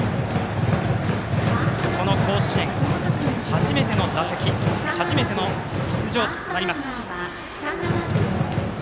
この甲子園、初めての打席初めての出場となります。